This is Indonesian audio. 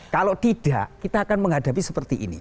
kalau tidak kita akan menghadapi seperti ini